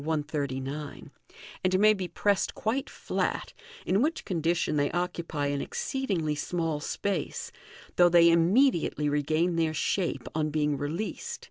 139), and may be pressed quite flat, in which condition they occupy an exceedingly small space, though they immediately regain their shape on being re leased.